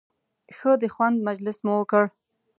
ښه د خوند مجلس مو وکړ.